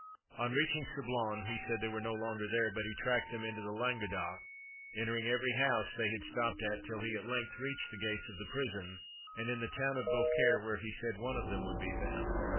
On reaching Sablon, he said they were no longer there; but he tracked them into Languedoc, entering every house they had stopped at, till he at length reached the gate of the prison, in the town of Beaucaire, where he said one of them would be found.